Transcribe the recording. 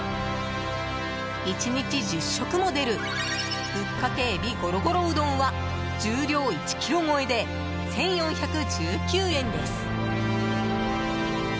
１日１０食も出るぶっかけえびごろごろうどんは重量１ｋｇ超えで１４１９円です。